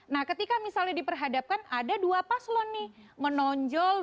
nah ketika misalnya diperhadapkan ada dua paslon nih menonjol